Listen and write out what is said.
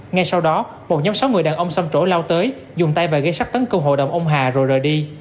ngay sau đó một nhóm sáu người đàn ông xăm trỗi lao tới dùng tay và gây sắc tấn công hội đồng ông hà rồi rời đi